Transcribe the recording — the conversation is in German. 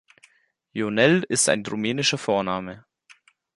Ionel ist ein rumänischer Vorname.